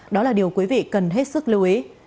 đó là điều quý vị cần hết sức lưu ý